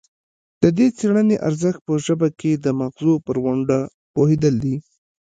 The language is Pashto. د دې څیړنې ارزښت په ژبه کې د مغزو پر ونډه پوهیدل دي